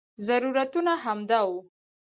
ضرورتونه همدا وو.